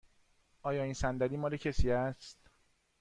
آیا این صندلی مال کسی است؟